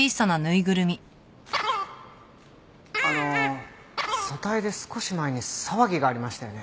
あの組対で少し前に騒ぎがありましたよね？